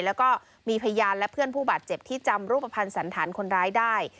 แล้วก็มีพยานและเพื่อนผู้บาดเจ็บที่จำรูปภัณฑ์สันฐานคนร้ายได้